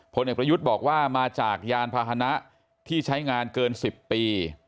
เอกประยุทธ์บอกว่ามาจากยานพาหนะที่ใช้งานเกิน๑๐ปี